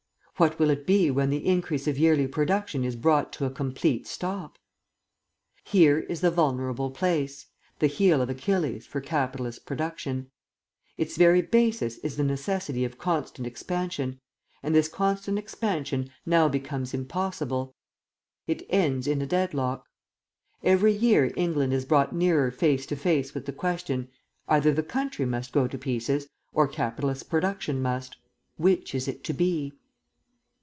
What will it be when the increase of yearly production is brought to a complete stop? "Here is the vulnerable place, the heel of Achilles, for capitalistic production. Its very basis is the necessity of constant expansion, and this constant expansion now becomes impossible. It ends in a deadlock. Every year England is brought nearer face to face with the question: either the country must go to pieces, or capitalist production must. Which is it to be?